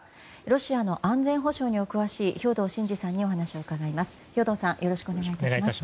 ロシアの安全保障にお詳しい兵頭慎治さんにお話を伺います。